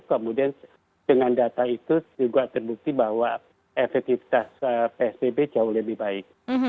kemudian dengan data itu juga terbukti bahwa efektivitas psbb jauh lebih baik